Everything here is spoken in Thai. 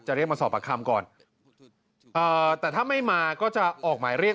เรียกมาสอบปากคำก่อนแต่ถ้าไม่มาก็จะออกหมายเรียก